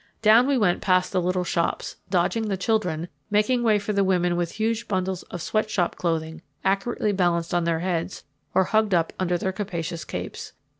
Down we went past the little shops, dodging the children, and making way for women with huge bundles of sweat shop clothing accurately balanced on their heads or hugged up under their capacious capes.